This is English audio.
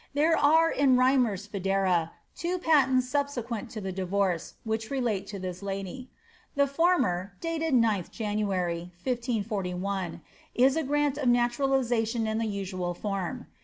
There are in Rymer's Foedera' two patents subsequent to the divorce, which relate to this lady. The former, dated 9th January, 1541, is a grant of naturalisation in the usual form.